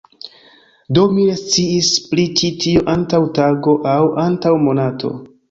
Do, mi ne sciis pri ĉi tio antaŭ tago aŭ antaŭ monato.